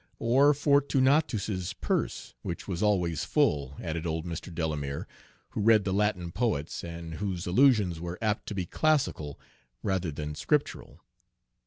"Or Fortunatus's purse, which was always full," added old Mr. Delamere, who read the Latin poets, and whose allusions were apt to be classical rather than scriptural.